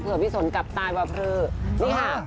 เผื่อพี่สนกลับตายว่าคือนี่ค่ะ